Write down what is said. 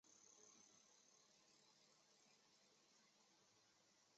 阮文戎服役时大部分时间都担任杨文明的副官兼保镖。